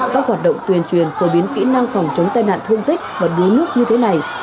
các hoạt động tuyên truyền phổ biến kỹ năng phòng chống tai nạn thương tích và đuối nước như thế này